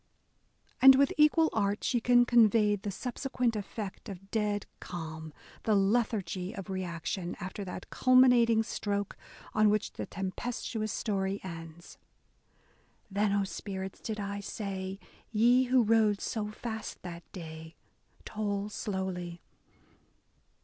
And with equal art she can convey the subse quent effect of dead calm, — the lethargy of reaction after that culminating stroke on which the tempestuous story ends : Then, O spirits, did I say, ye who rode so fast that day, — Toll slowly.